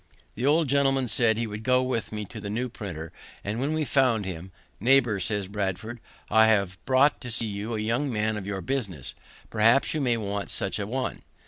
The old gentleman said he would go with me to the new printer; and when we found him, "Neighbour," says Bradford, "I have brought to see you a young man of your business; perhaps you may want such a one."